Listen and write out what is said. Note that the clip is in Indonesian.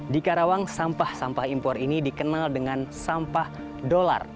di karawang sampah sampah impor ini dikenal dengan sampah dolar